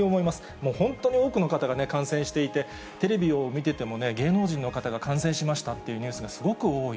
もう本当に多くの方が感染していて、テレビを見ていても、芸能人の方が感染しましたっていうニュースがすごく多い。